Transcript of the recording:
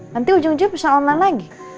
nanti ujung ujung bisa online lagi